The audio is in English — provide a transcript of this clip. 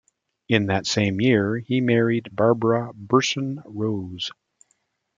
In that same year he married Barbara Berson Rose.